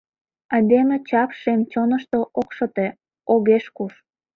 Айдеме чап шем чонышто Ок шыте, огеш куш!